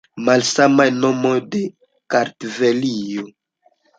Malsamaj nomoj de Kartvelio.